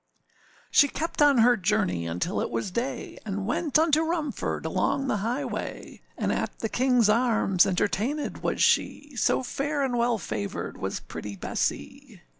She kept on her journey until it was day, And went unto Rumford, along the highway; And at the Kingâs Arms entertainèd was she, So fair and well favoured was pretty Bessee.